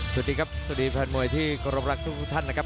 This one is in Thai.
สวัสดีครับสวัสดีแฟนมวยที่กรมรักทุกท่านนะครับ